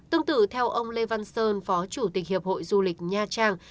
tương tự theo ông lê văn sơn phó chủ tịch hiệp hội du lịch nha trang